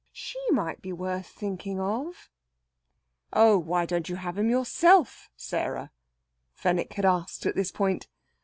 She might be worth thinking of.... "Why don't you have him yourself, Sarah?" Fenwick had asked at this point.